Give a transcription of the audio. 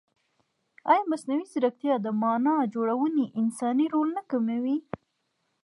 ایا مصنوعي ځیرکتیا د معنا جوړونې انساني رول نه کموي؟